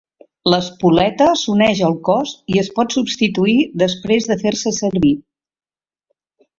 L'espoleta s'uneix al cos i es pot substituir després de fer-se servir.